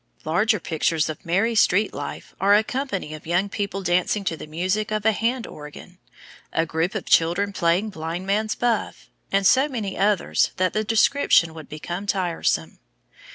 Larger pictures of merry street life are a company of young people dancing to the music of a hand organ, a group of children playing blind man's buff, and so many others that the description would become tiresome.